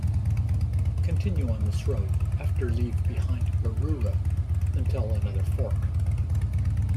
Continue on this road after leave behind Barruera until another fork.